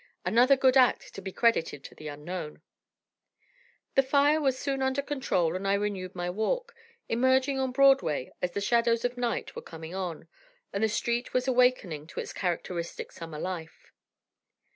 Another good act to be credited to an unknown! The fire was soon under control and I renewed my walk, emerging on Broadway as the shadows of night were coming on, and the street was awakening to its characteristic summer life.